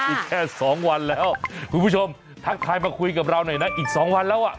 อีกแค่สองวันแล้วคุณผู้ชมทักทายมาคุยกับเราหน่อยนะอีก๒วันแล้วอ่ะ